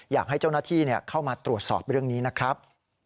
อยากให้เจ้าหน้าที่เข้ามาตรวจสอบเรื่องนี้นะครับ